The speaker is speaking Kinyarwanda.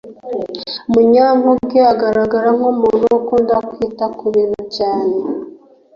munyankuge agaragara nk'umuntu ukunda kwita ku bintu cyane